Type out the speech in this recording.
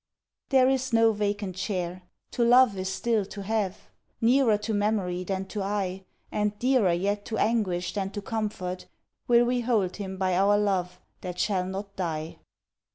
There is no vacant chair. To love is still To have. Nearer to memory than to eye, And dearer yet to anguish than to comfort, will We hold him by our love, that shall not die.